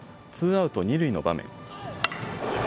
ツーアウト二塁の場面。